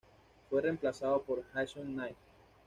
Fue reemplazado por Jason Knight.